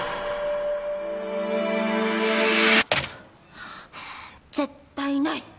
・はい・絶対ない！